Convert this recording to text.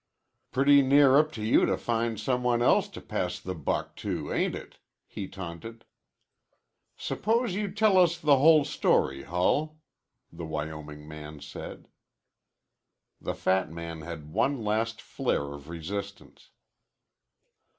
"Pretty near up to you to find some one else to pass the buck to, ain't it?" he taunted. "Suppose you tell us the whole story, Hull," the Wyoming man said. The fat man had one last flare of resistance.